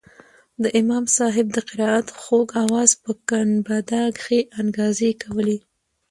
د امام صاحب د قرائت خوږ اواز په ګنبده کښې انګازې کولې.